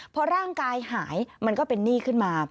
พอร่างกายหายมันก็เป็นหนี้ขึ้นมา